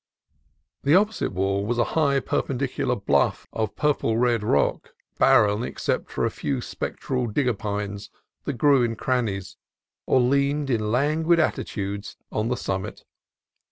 The opposite wall was a high, perpendicular bluff of purple red rock, barren except for a few spectral digger pines that grew in crannies, or leaned in lan guid attitudes on the summit.